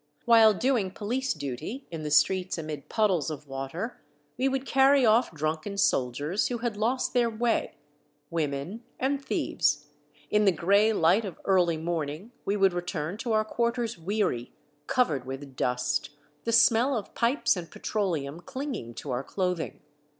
While doing police duty in the streets amid puddles of water, we would carry off drunken soldiers who had lost their way, women, and thieves ; in the gray light of early morning we would return to our quarters weary, covered with dust, the smell of pipes and petroleum clinging to our clothing.